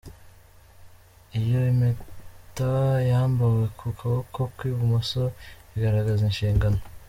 Iyo Impeta yambawe ku kuboko kw’i Bumoso bigaragaza inshingano.